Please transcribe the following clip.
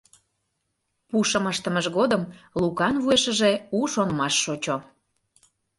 Пушым ыштымыж годым Лукан вуешыже у шонымаш шочо.